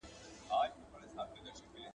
• ځيرک ښکاري په يوه ټک دوه نښانه ولي.